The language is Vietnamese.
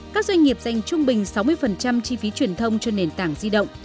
các doanh nghiệp dành trung bình sáu mươi chi phí truyền thông cho nền tảng di động